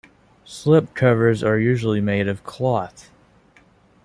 Slipcovers are usually made of cloth.